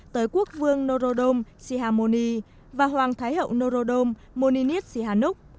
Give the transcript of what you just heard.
tới quốc vương norodom sihamoni và hoàng thái hậu norodom moninit sihannuk